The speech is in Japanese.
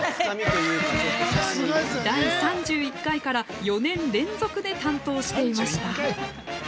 第３１回から４年連続で担当していました。